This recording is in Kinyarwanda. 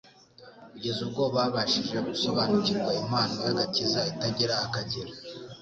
kugeza ubwo babashije gusobanukirwa impano y'agakiza itagira akagero.